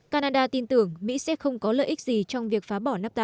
canada tin tưởng mỹ sẽ không có lợi ích gì trong việc phá bỏ nafta